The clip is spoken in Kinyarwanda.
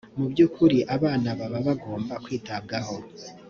mu by’ukuri abana baba bagomba kwitabwaho